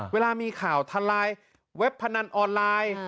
เวลามีข่าวทะลายเว็บพนันออนไลน์